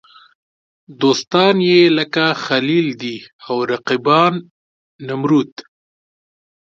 دوستان یې لکه خلیل دي او رقیبان نمرود.